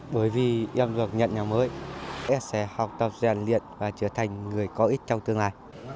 bởi vì em được nhận nhà mới em sẽ học tập giàn liện và trở thành người có ích trong tương lai